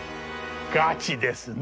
ガチですね！